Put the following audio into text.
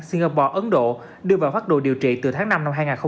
singapore ấn độ đưa vào phát đồ điều trị từ tháng năm năm hai nghìn hai mươi ba